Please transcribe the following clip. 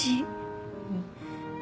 うん